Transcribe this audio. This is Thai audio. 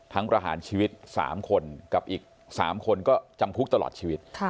ประหารชีวิต๓คนกับอีก๓คนก็จำคุกตลอดชีวิต